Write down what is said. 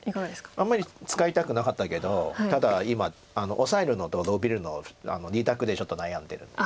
あんまり使いたくなかったけどただ今オサえるのとノビるの２択でちょっと悩んでるんです。